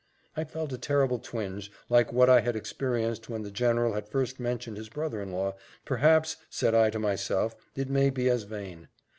I felt a terrible twinge, like what I had experienced when the general had first mentioned his brother in law perhaps, said I to myself, it may be as vain.